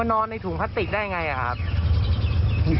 นอนในถุงพลาสติกได้อย่างไรครับ